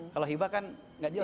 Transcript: kalau hibah kan nggak jelas